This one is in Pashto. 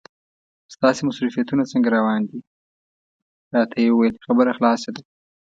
ستاسې مصروفیتونه څنګه روان دي؟ راته یې وویل خبره خلاصه ده.